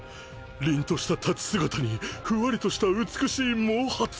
凛とした立ち姿にふわりとした美しい毛髪。